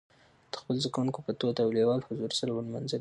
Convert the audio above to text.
د خپلو زدهکوونکو په تود او لېوال حضور سره ونمانځلي.